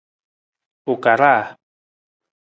U karaa.